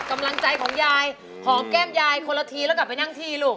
กำลังใจของยายหอมแก้มยายคนละทีแล้วกลับไปนั่งที่ลูก